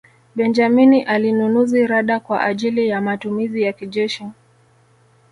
benjamini alinunuzi rada kwa ajili ya matumizi ya kijeshi